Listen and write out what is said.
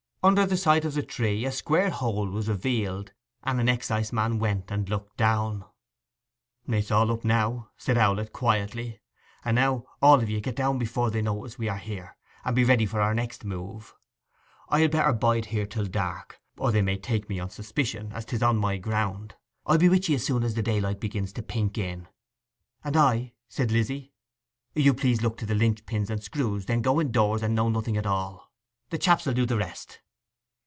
Under the site of the tree a square hole was revealed, and an exciseman went and looked down. 'It is all up now,' said Owlett quietly. 'And now all of ye get down before they notice we are here; and be ready for our next move. I had better bide here till dark, or they may take me on suspicion, as 'tis on my ground. I'll be with ye as soon as daylight begins to pink in.' 'And I?' said Lizzy. 'You please look to the linch pins and screws; then go indoors and know nothing at all. The chaps will do the rest.